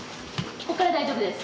ここから大丈夫です。